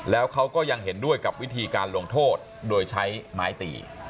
แล้วเขาก็ยังเห็นด้วยกับวิธีการลงโทษโดยใช้ไม้ตี